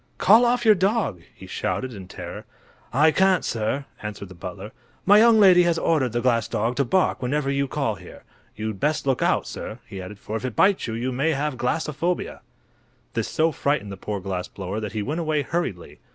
"Call off your dog," he shouted, in terror. "I can't, sir," answered the butler. "My young lady has ordered the glass dog to bark whenever you call here. You'd better look out, sir," he added, "for if it bites you, you may have glassophobia!" This so frightened the poor glass blower that he went away hurriedly.